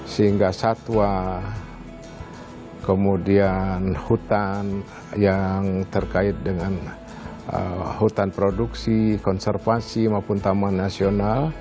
sehingga satwa kemudian hutan yang terkait dengan hutan produksi konservasi maupun taman nasional